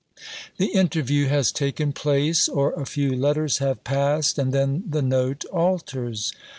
The interview has taken place, or a few letters have passed, and then the note alters.